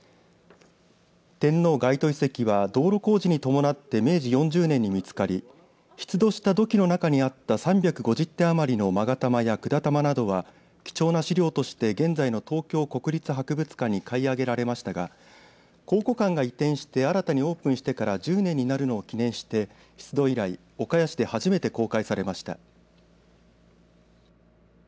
天王垣外遺跡は道路工事に伴って明治４０年に見つかり出土した土器の中にあった３５０点余りのまが玉や管玉などは貴重な資料として現在の東京国立博物館に買い上げられましたが考古館が移転して新たにオープンしてから１０年になるのを記念して出土以来、岡谷市で初めて公開されました。